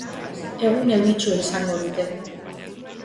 Egun euritsua izango dute.